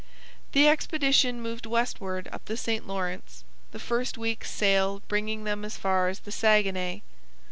The expedition moved westward up the St Lawrence, the first week's sail bringing them as far as the Saguenay.